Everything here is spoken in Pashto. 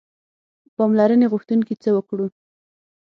پاملرنې غوښتونکي څه وکړو.